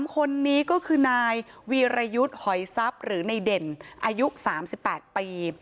๓คนนี้ก็คือนายวีรยุทธ์หอยทรัพย์หรือในเด่นอายุ๓๘ปี